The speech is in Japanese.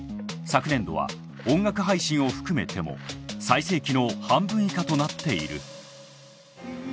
昨年度は音楽配信を含めても最盛期の半分以下となっている。